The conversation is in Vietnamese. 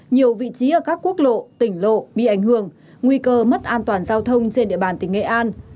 nhiều vị trí ở các quốc lộ tỉnh lộ bị ảnh hưởng nguy cơ mất an toàn giao thông trên địa bàn tỉnh nghệ an